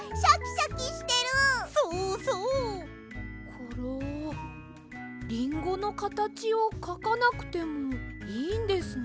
コロリンゴのかたちをかかなくてもいいんですね。